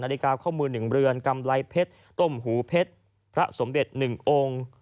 นาฬิกาเข้ามือหนึ่งเรือนกำไรเพชรต้มหูเพชรพระสมเด็จหนึ่งองค์